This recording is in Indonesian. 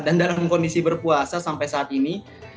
dan dalam kondisi berpuasa sampai saat ini